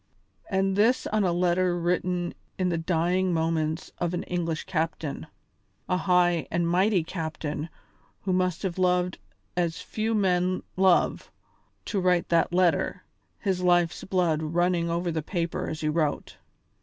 and this on a letter written in the dying moments of an English captain, a high and mighty captain who must have loved as few men love, to write that letter, his life's blood running over the paper as he wrote.